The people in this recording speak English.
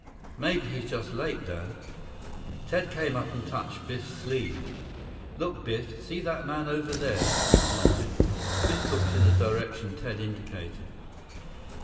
"Maybe he's just late, Dad." Ted came up and touched Biff's sleeve. "Look, Biff, see that man over there?" He pointed. Biff looked in the direction Ted indicated.